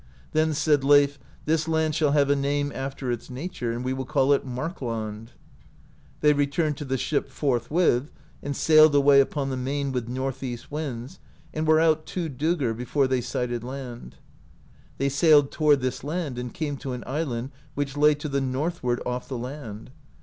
Then said Leif, '*This land shall have a name after its nature, and we will call it Markland/' They returned to the ship forthwith, and sailed away upon the main with north east winds, and were out two dccgr'* before they sighted land. They sailed toward this land, and came to an island which lay to the northward off the land.